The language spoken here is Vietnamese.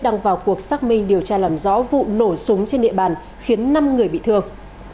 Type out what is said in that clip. đang vào cuộc xác minh điều tra làm rõ vụ nổ súng trên địa bàn khiến năm người bị thương